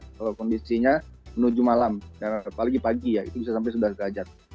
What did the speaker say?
kalau kondisinya menuju malam apalagi pagi ya itu bisa sampai sebelas derajat